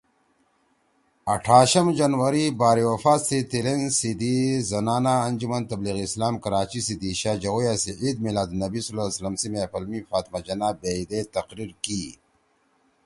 آٹھاشم جنوری )بارہ وفات( رسول کریمﷺ سی تیِلین سی دی زنانہ انجمن تبلیغ اسلام کراچی سی دیِشا جوَئیا سی عید میلادُالنبیﷺ سی محفل می فاطمہ جناح بیدے تقریرکی